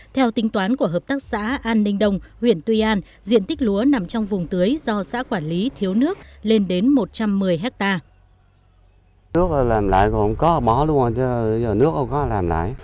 theo tính toán của hợp tác xã an ninh đông huyện tuy an diện tích lúa nằm trong vùng tưới do xã quản lý thiếu nước lên đến một trăm một mươi hectare